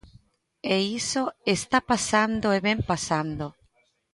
E iso está pasando e vén pasando.